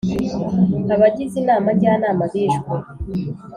Abagize Inama jyanama bishwe